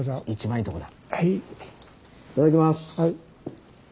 いただきます！